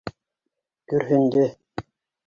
Көрһөндө.